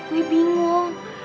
nah gue bingung